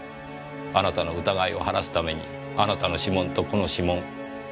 あなたの疑いを晴らすためにあなたの指紋とこの指紋照合してみませんか？